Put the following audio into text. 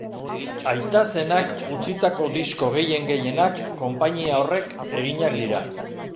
Aita zenak utzitako disko gehien-gehienak konpainia horrek eginak dira.